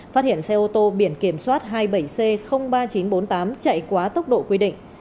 phát hiện xe ô tô biển kiểm soát hai mươi bảy c ba nghìn chín trăm bốn mươi tám chạy quá tốc độ quy định